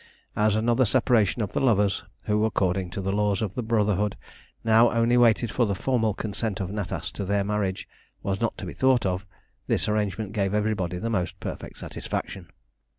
As another separation of the lovers, who, according to the laws of the Brotherhood, now only waited for the formal consent of Natas to their marriage, was not to be thought of, this arrangement gave everybody the most perfect satisfaction.